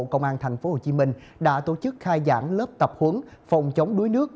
công an tp hcm đã tổ chức khai giảng lớp tập huấn phòng chống đuối nước